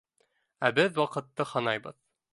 Ә беҙ ваҡытты һанайбыҙ.